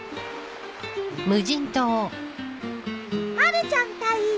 まるちゃん隊員。